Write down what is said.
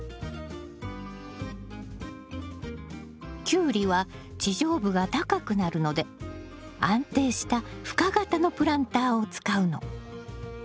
キュウリは地上部が高くなるので安定した深型のプランターを使うの。